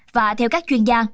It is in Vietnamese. và theo các chuyên gia